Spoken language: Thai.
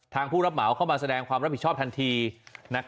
ผู้รับเหมาเข้ามาแสดงความรับผิดชอบทันที